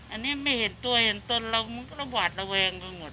อันนี้ไม่เห็นตัวเห็นตนเรามันก็ระหวาดระแวงไปหมด